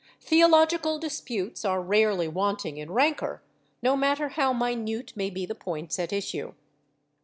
Theological disputes are rarely wanting in rancor, no matter how minute may be the points at issue.